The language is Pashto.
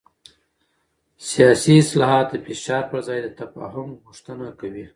سیاسي اصلاحات د فشار پر ځای د تفاهم غوښتنه کوي